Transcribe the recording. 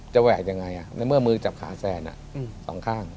แหวกยังไงในเมื่อมือจับขาแซนสองข้าง